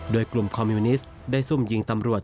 โดยกลุ่มคอมมิวนิสต์ได้ซุ่มยิงตำรวจ